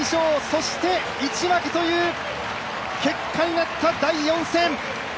そして１分けという結果になった第４戦。